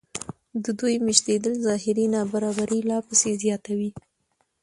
د دوی مېشتېدل ظاهري نابرابري لا پسې زیاتوي